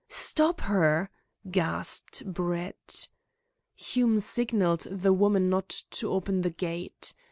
"Stop her!" gasped Brett. Hume signalled the woman not to open the gate.